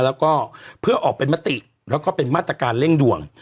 และก็พวกก็ไปเหาะเป็นมติและเป็นมาตรการเร่งดุ่ง